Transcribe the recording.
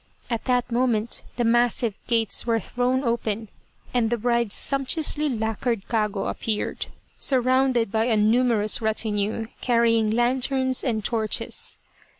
At that moment the massive gates were thrown open, and the bride's sumptuously lacquered kago appeared, surrounded by a numerous retinue, carrying lanterns and torches.